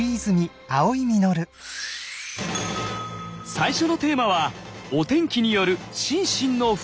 最初のテーマはお天気による心身の不調！